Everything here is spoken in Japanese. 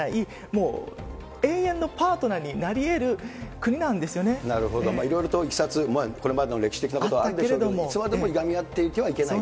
もう永遠のパートナーになりえる国なるほど、いろいろといきさつ、これまでの歴史的なことはあったでしょうけれども、いつまでもいがみ合っていてはいけないと。